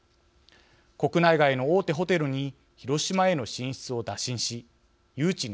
国内外の大手ホテルに広島への進出を打診し誘致に成功。